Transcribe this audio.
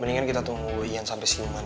mendingan kita tunggu ian sampai sinuman aja